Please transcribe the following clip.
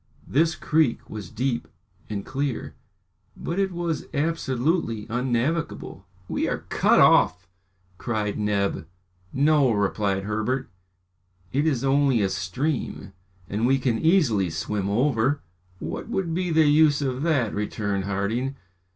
This creek was deep and clear, but it was absolutely unnavigable. "We are cut off!" cried Neb. "No," replied Herbert, "it is only a stream, and we can easily swim over." "What would be the use of that?" returned Harding.